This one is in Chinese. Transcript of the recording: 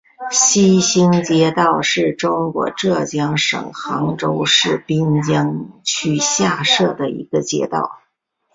西兴街道是中国浙江省杭州市滨江区下辖的一个街道。